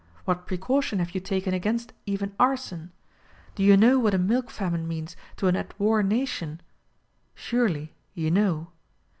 What precaution have you taken against even arson? Do you know what a milk famine means to an at war nation? Surely, you know.